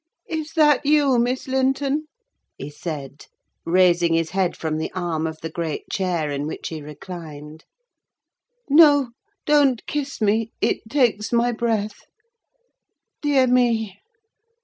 "Is that you, Miss Linton?" he said, raising his head from the arm of the great chair, in which he reclined. "No—don't kiss me: it takes my breath. Dear me!